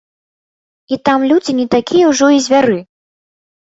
І там людзі не такія ўжо і звяры.